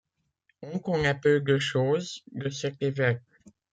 On connaît peu de choses de cet évêque.